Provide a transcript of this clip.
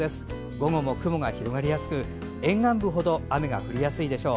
午後も雲が広がりやすく沿岸部ほど雨が降りやすいでしょう。